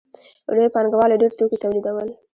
لویو پانګوالو ډېر توکي تولیدول